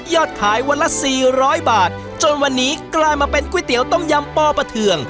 ขายวันละ๔๐๐บาทจนวันนี้กลายมาเป็นก๋วยเตี๋ยวต้มยำปอปะเทือง